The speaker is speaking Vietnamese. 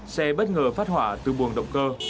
xe bất ngờ phát hỏa từ buồng động cơ